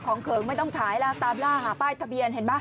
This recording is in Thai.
เขิงไม่ต้องขายแล้วตามล่าหาป้ายทะเบียนเห็นไหม